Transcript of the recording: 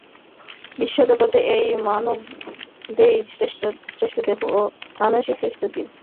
বিশ্বজগতে এই মানবদেহই শ্রেষ্ঠ দেহ এবং মানুষই শ্রেষ্ঠ জীব।